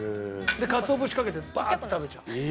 でかつお節かけてバーッて食べちゃう。